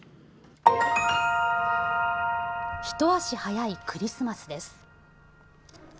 一足早いクリスマスです。